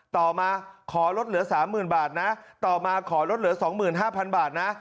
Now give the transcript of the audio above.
ต่อมาขอลดเหลือ๓๐๐๐บาทนะต่อมาขอลดเหลือ๒๕๐๐บาทนะ